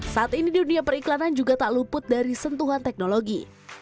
saat ini dunia periklanan juga tak luput dari sentuhan teknologi